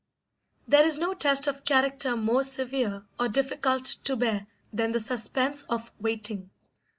There is no test of character more severe or difficult to bear than the suspense of waiting.